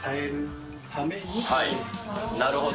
なるほど。